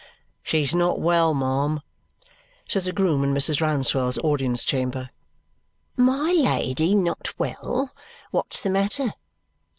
"She is not well, ma'am," says a groom in Mrs. Rouncewell's audience chamber. "My Lady not well! What's the matter?"